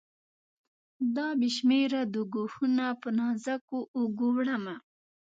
دا بې شمیره دوږخونه په نازکو اوږو، وړمه